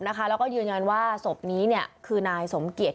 แล้วก็ยืนยันว่าศพนี้คือนายสมเกียจ